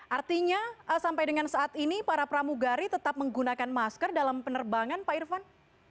artinya sampai dengan saat ini para pramugari tetap menggunakan masker dalam penerbangan pak irfan